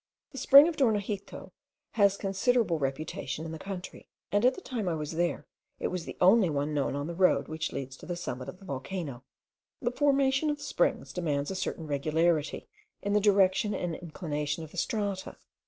The spring of Dornajito has considerable reputation in the country; and at the time I was there, it was the only one known on the road which leads to the summit of the volcano. The formation of springs demands a certain regularity in the direction and inclination of the strata.